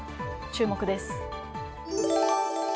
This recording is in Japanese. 注目です。